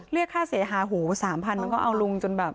เลือกค่าเสียหาหู๓๐๐๐บาทมันก็เอาลุงจนแบบ